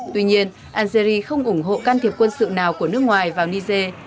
tuy nhiên algeri không ủng hộ can thiệp quân sự nào của nước ngoài vào niger